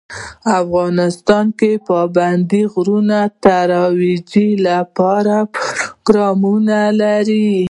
افغانستان د پابندي غرونو د ترویج لپاره پروګرامونه لري.